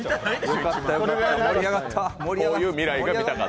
盛り上がった。